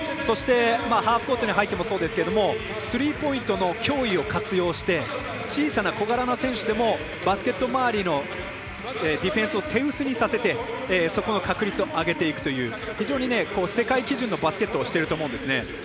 そしてハーフコートに入ってもそうですけどスリーポイントの脅威を活用して小さな小柄な選手でもバスケット回りのディフェンスを手薄にさせてそこの確率を上げていくという非常に世界基準のバスケットをしていると思うんですね。